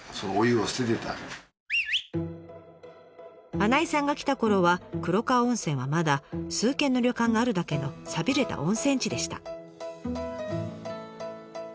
穴井さんが来たころは黒川温泉はまだ数軒の旅館があるだけの寂れた温泉地でした。